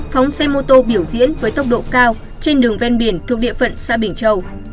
phóng xe mô tô biểu diễn với tốc độ cao trên đường ven biển thuộc địa phận xã bình châu